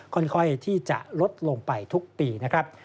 ค่อยที่จะลดลงไปทุกปีนะครับ